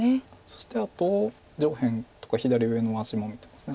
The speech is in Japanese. そしてあと上辺とか左上の味も見てます